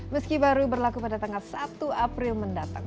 meski baru berlaku pada tanggal satu april mendatang